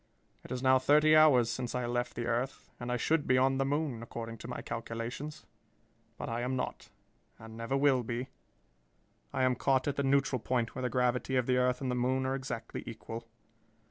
It is now thirty hours since I left the earth and I should be on the moon, according to my calculations. But I am not, and never will be. I am caught at the neutral point where the gravity of the earth and the moon are exactly equal.